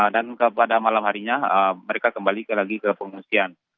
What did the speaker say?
dan pada malam harinya mereka kembali lagi ke pengungsian